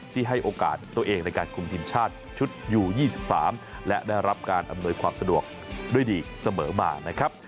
ให้โอกาสตัวเองในการคุมทีมชาติชุดอยู่๒๓และได้รับการอำนวยความสะดวกด้วยดีเสมอมานะครับ